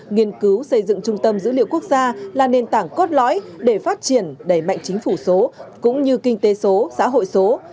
nghiên cứu xây dựng trung tâm dữ liệu quốc gia là nền tảng cốt lõi để phát triển đẩy mạnh chính phủ số cũng như kinh tế số xã hội số